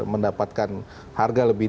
mendapatkan harga lebih